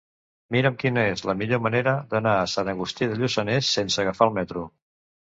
Mira'm quina és la millor manera d'anar a Sant Agustí de Lluçanès sense agafar el metro.